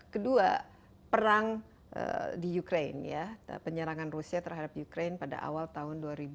kedua perang di ukraine penyerangan rusia terhadap ukraine pada awal tahun dua ribu dua